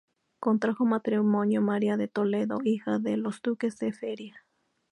Contrajo matrimonio María de Toledo, hija de los duques de Feria.